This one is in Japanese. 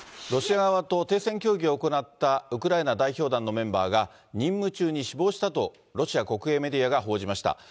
ロシア側と停戦協議を行ったウクライナ代表団のメンバーが、任務中に死亡したと、ロシア国営メディアが報じました。